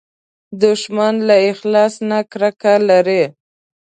دښمن له اخلاص نه کرکه لري